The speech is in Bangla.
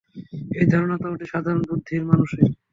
এই ধারণাটা অতি সাধারণ বুদ্ধির মানুষেরই।